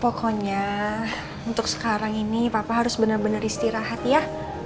pokoknya untuk sekarang ini papa harus benar benar istirahat ya